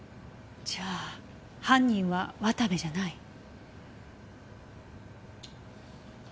じゃあ犯人は渡部じゃない。